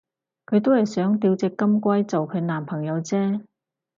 佢都係想吊隻金龜做佢男朋友啫